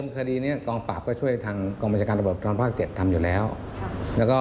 แล้วก็ที่สำคัญคือ